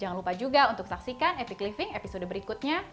jangan lupa juga untuk saksikan epic living episode berikutnya